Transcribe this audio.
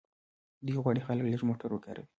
دوی غواړي خلک لږ موټر وکاروي.